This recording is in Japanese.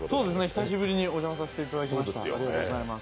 久しぶりにお邪魔させていただきました